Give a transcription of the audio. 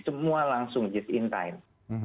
semua langsung jeep in time